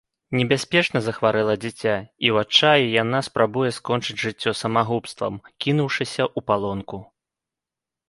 Небяспечна захварэла дзіця, і ў адчаі яна спрабуе скончыць жыццё самагубствам, кінуўшыся ў палонку.